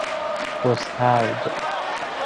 گسترد